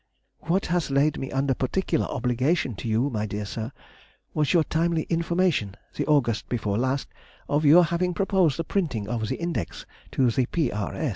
What has laid me under particular obligation to you, my dear sir, was your timely information, the August before last, of your having proposed the printing of the Index to the P. R.